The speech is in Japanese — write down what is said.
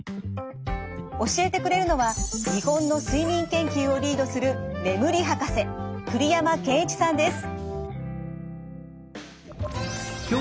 教えてくれるのは日本の睡眠研究をリードする眠り博士栗山健一さんです。